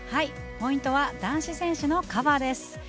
ポイントは男子選手のカバーです。